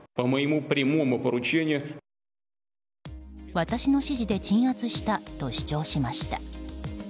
私の指示で鎮圧したと主張しました。